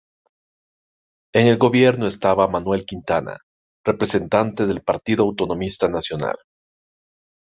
En el gobierno estaba Manuel Quintana, representante del Partido Autonomista Nacional.